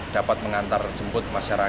dapat mengantar jemput masyarakat